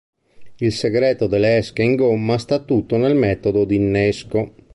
Il segreto delle esche in gomma sta tutto nel metodo di innesco.